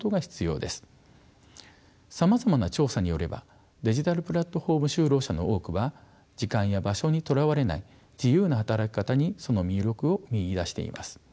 さまざまな調査によればデジタルプラットフォーム就労者の多くは時間や場所にとらわれない自由な働き方にその魅力を見いだしています。